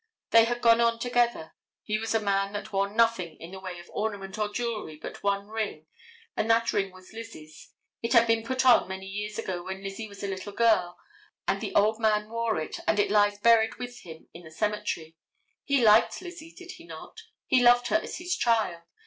They had gone on together. He was a man that wore nothing in the way of ornament or jewelry but one ring, and that ring was Lizzie's. It had been put on many years ago when Lizzie was a little girl, and the old man wore it and it lies buried with him in the cemetery. He liked Lizzie, did he not? He loved her as his child.